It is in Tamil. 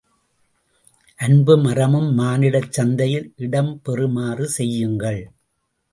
அன்பும் அறமும் மானிடச் சந்தையில் இடம் பெறுமாறு செய்யுங்கள்!